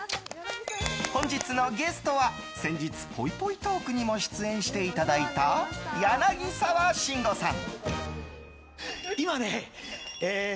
本日のゲストは先日、ぽいぽいトークにも出演していただいた柳沢慎吾さん。